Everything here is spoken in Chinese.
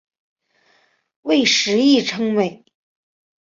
为时议称美。